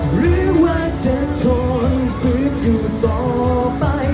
หรือว่าจะทนพื้นอยู่ต่อไป